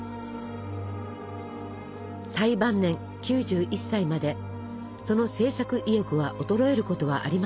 最晩年９１歳までその制作意欲は衰えることはありませんでした。